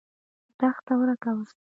دښته ورکه وه.